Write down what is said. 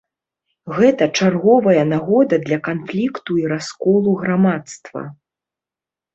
Гэта чарговая нагода для канфлікту і расколу грамадства.